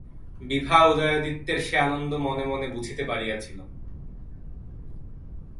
বিভা উদয়াদিত্যের সে আনন্দ মনে মনে বুঝিতে পারিয়াছিল।